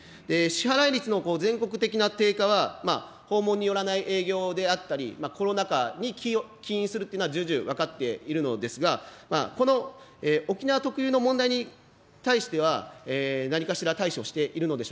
支払い率の全国的な低下は、訪問によらない営業であったり、コロナ禍に起因するというのは重々分かっているのですが、この沖縄特有の問題に対しては、何かしら対処しているのでしょうか。